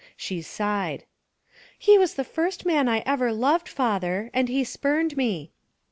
She sighed. 'He was the first man I ever loved, father, and he spurned me.